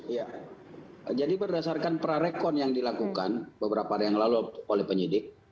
ya jadi berdasarkan prarekon yang dilakukan beberapa hari yang lalu oleh penyidik